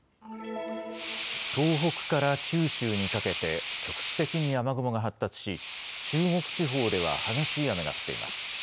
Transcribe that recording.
東北から九州にかけて局地的に雨雲が発達し中国地方では激しい雨が降っています。